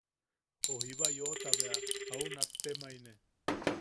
O jiba yoʼota bea au nattemaine.